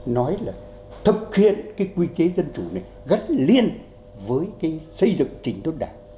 nói là thực hiện cái quy chế dân chủ này gắn liên với cái xây dựng trình tốt đảng